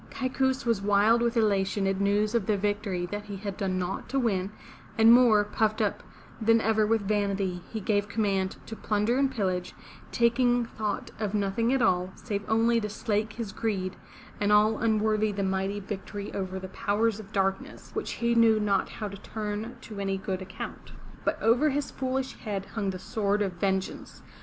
Kaikous was wild with elation at news of the victory that he had done naught to win, and, more puffed up than ever with vanity, he gave command to plunder and pillage, taking thought of nothing at all, save only to slake his greed, and all unworthy the mighty victory over the powers of darkness, which he knew not how to turn to any good account. But over his foolish head hung the sword of vengeance.